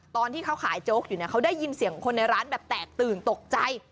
ตอนที่เขาขายโจ๊กอยู่เนี่ยเขาได้ยินเสียงคนในร้านแบบแตกตื่นตกใจ